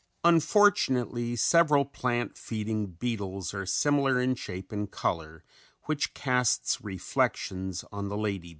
Unfortunately several plant feeding beetles are similar in shape and color which casts reflections on the lady beetles.